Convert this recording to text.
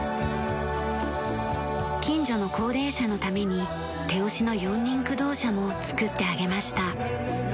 近所の高齢者のために手押しの四輪駆動車も作ってあげました。